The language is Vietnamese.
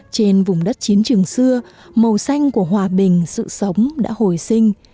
trên vùng đất chiến trường xưa màu xanh của hòa bình sự sống đã hồi sinh